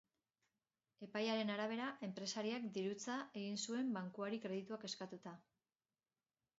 Epaiaren arabera, enpresariak dirutza egin zuen bankuari kredituak eskatuta.